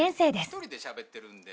一人でしゃべってるんで。